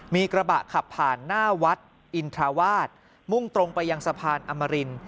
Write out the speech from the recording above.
มีกระบะขับผ่านหน้าวัดอินทราวาสมุ่งตรงไปยังสะพานอมริน